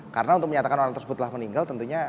karena untuk menyatakan orang tersebut telah meninggal tentunya